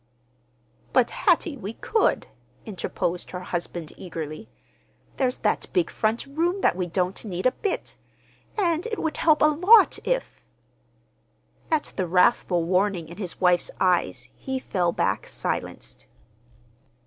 "But, Hattie, we could," interposed her husband eagerly. "There's that big front room that we don't need a bit. And it would help a lot if—" At the wrathful warning in his wife's eyes he fell back silenced.